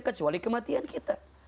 kecuali kematian kita